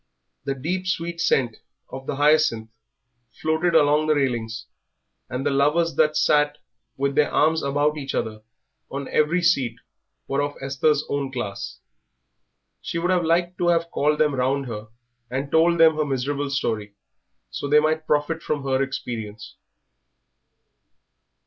The deep, sweet scent of the hyacinth floated along the railings, and the lovers that sat with their arms about each other on every seat were of Esther's own class. She would have liked to have called them round her and told them her miserable story, so that they might profit by her experience.